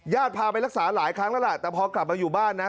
พาไปรักษาหลายครั้งแล้วล่ะแต่พอกลับมาอยู่บ้านนะ